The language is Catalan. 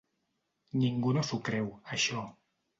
Ningú no s’ho creu, això.